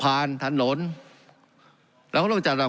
การปรับปรุงทางพื้นฐานสนามบิน